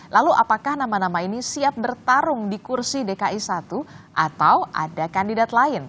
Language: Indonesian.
lalu apakah nama nama ini siap bertarung di kursi dki satu atau ada kandidat lain